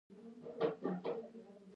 غرونه د افغانستان د ښاري پراختیا سبب کېږي.